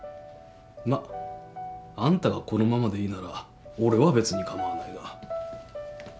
まああんたがこのままでいいなら俺は別に構わないが